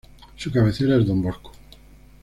Su cabecera es Don Bosco.